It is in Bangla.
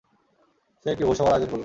সে একটি ভোজ সভার আয়োজন করল।